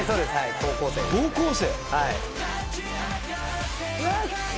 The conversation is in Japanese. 高校生？